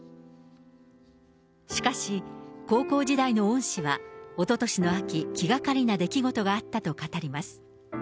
しかし、高校時代の恩師は、おととしの秋、気がかりな出来事があったと語ります。